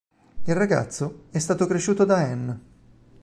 Il ragazzo è stato cresciuto da Anne.